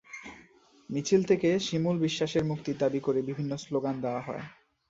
মিছিল থেকে শিমুল বিশ্বাসের মুক্তির দাবি করে বিভিন্ন স্লোগান দেওয়া হয়।